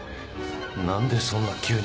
何でそんな急に？